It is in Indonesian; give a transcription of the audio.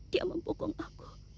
dia mempukung aku